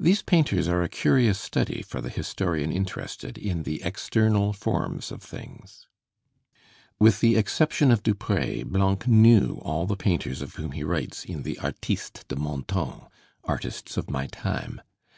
These painters are a curious study for the historian interested in the external forms of things. With the exception of Dupré, Blanc knew all the painters of whom he writes in the 'Artistes de mon Temps' (Artists of My Time).